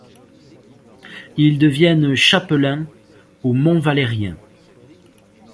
Ils deviennent chapelains au Mont-Valérien.